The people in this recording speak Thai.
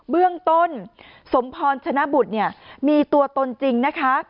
เบื้องต้นสมพรฉนะบุธมีตัวตนจริงนะคะ